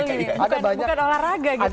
bukan olahraga gitu